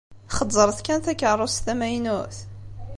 Xezzṛet kan takeṛṛust-iw tamaynut.